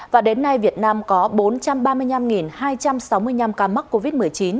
và đến nay việt nam có bốn trăm ba mươi năm hai trăm sáu mươi năm ca mắc covid một mươi chín